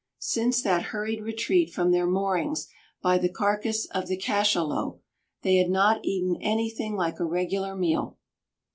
Since that hurried retreat from their moorings by the carcass of the cachalot they had not eaten anything like a regular meal.